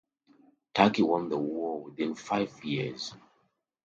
Turkey won the war within five years.